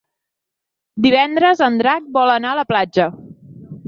Divendres en Drac vol anar a la platja.